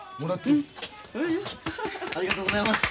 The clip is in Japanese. ありがとうございます。